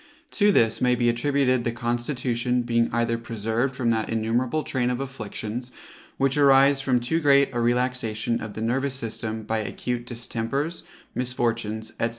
To this may be attributed the constitution being either preserved from that innumerable train of afflictions, which arise from too great a relaxation of the nervous system by acute distempers, misfortunes, &c.